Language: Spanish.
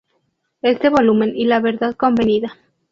Este volumen y "La verdad convenida.